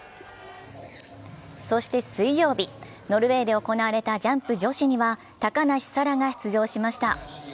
そして水曜日、ノルウェーで行われたジャンプ女子には高梨沙羅が出場しました。